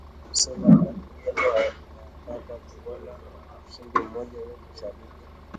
nani ndio kusema kati yenu, tunataka kuona mshindi!” Mmoja wetu, shabiki